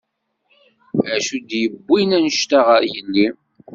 Acu d-yiwin anect-a ɣer yelli?